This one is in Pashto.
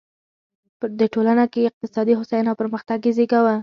د ټولنه کې اقتصادي هوساینه او پرمختګ یې زېږاوه.